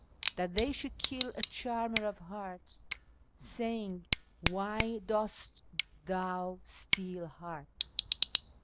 That they should kill a charmer of hearts, saying, " Why dost thou steal hearts